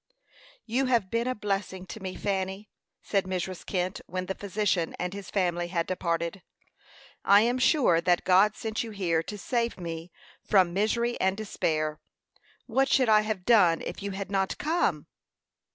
"You have been a blessing to me, Fanny," said Mrs. Kent, when the physician and his family had departed. "I am sure that God sent you here to save me from misery and despair. What should I have done if you had not come?"